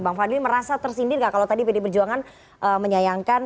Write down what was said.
bang fadli merasa tersindir nggak kalau tadi pd perjuangan menyayangkan